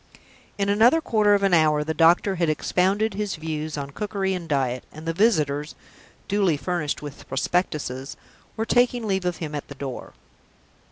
In another quarter of an hour the doctor had expounded his views on cookery and diet, and the visitors (duly furnished with prospectuses) were taking leave of him at the door.